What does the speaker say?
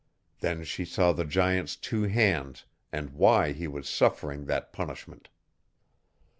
Then she saw the giant's two hands, and why he was suffering that punishment.